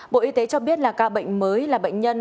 bộ y tế cho biết là ca bệnh mới là bệnh nhân